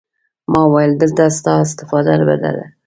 ما وويل دلته ستا استفاده بده ده.